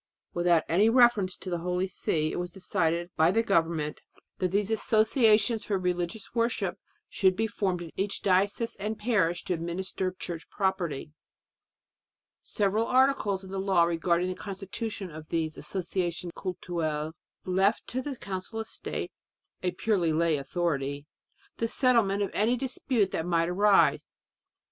Without any reference to the Holy See it was decided by the government that these associations for religious worship should be formed in each diocese and parish to administer church property. Several articles in the law regarding the constitution of these Associations Cultuelles left to the Council of State a purely lay authority the settlement of any dispute that might arise.